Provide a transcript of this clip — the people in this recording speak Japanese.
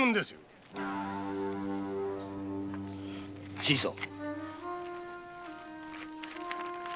新さん。